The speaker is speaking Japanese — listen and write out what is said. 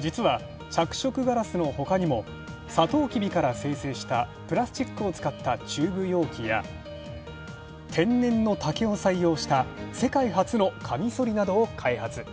実は着色ガラスのほかにもサトウキビから精製したプラスチックを使ったチューブ容器や、天然の竹を採用した世界初のカミソリなどを開発。